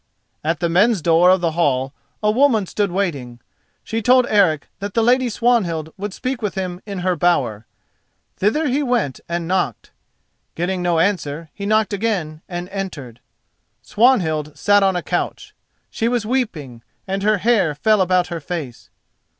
At the men's door of the hall a woman stood waiting. She told Eric that the lady Swanhild would speak with him in her bower. Thither he went and knocked. Getting no answer he knocked again, then entered. Swanhild sat on a couch. She was weeping, and her hair fell about her face.